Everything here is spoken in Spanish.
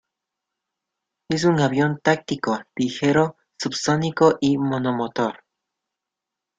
Es un avión táctico ligero subsónico y monomotor.